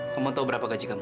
kau mau tau berapa gaji kamu